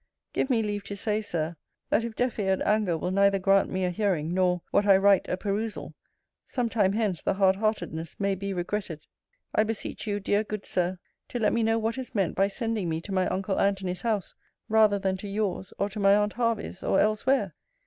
Give me leave to say, Sir, that if deaf eared anger will neither grant me a hearing, nor, what I write a perusal, some time hence the hard heartedness may be regretted. I beseech you, dear, good Sir, to let me know what is meant by sending me to my uncle Antony's house, rather than to yours, or to my aunt Hervey's, or else where?